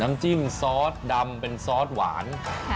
น้ำจิ้มซอสดำเป็นซอสหวาน